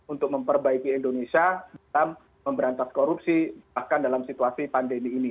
untuk memperbaiki indonesia dalam memberantas korupsi bahkan dalam situasi pandemi ini